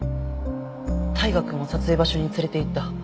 大我くんを撮影場所に連れて行った。